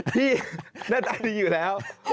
หน้าตาดีอยู่แล้ว